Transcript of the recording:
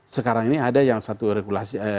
sekarang ini ada yang satu regulasi